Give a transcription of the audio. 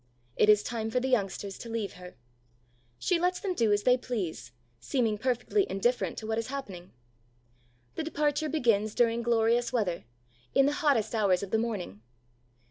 It is time for the youngsters to leave her. She lets them do as they please, seeming perfectly indifferent to what is happening. The departure begins during glorious weather, in the hottest hours of the morning.